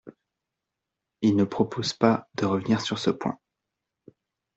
Il ne propose pas de revenir sur ce point.